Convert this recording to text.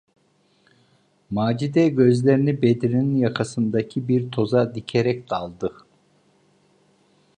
Macide gözlerini Bedri’nin yakasındaki bir toza dikerek daldı…